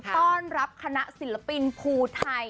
ต้อนรับคณะศิลปินภูไทย